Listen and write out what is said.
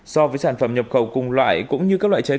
so với sản phẩm nhập khẩu cùng loại cũng như các loại chín sớm